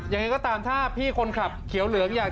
อย่างนี้ก็ตามท่าพี่คนขับเขียวเหลือง